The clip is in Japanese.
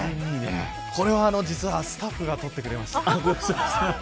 これは実はスタッフが撮ってくれました。